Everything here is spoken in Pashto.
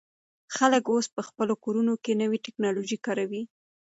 خلک اوس په خپلو کورونو کې نوې ټیکنالوژي کاروي.